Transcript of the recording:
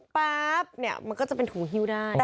ป๊า๊บเนี่ยมันก็จะเป็นถุงเฮี้ยว